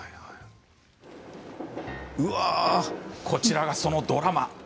こちらが、そのドラマ。